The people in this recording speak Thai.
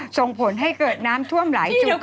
ส่งผลให้เกิดน้ำท่วมหลายจุด